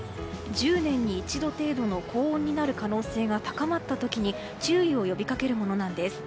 １０年に一度程度の高温になる可能性が高まった時に注意を呼びかけるものなんです。